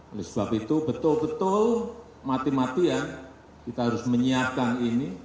oleh sebab itu betul betul mati matian kita harus menyiapkan ini